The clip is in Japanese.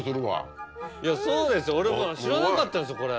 そうですよ俺知らなかったですこれ。